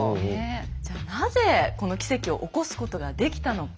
じゃなぜこの奇跡を起こすことができたのか。